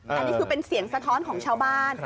อันนี้คือเป็นเสียงสะท้อนของชาวบ้าน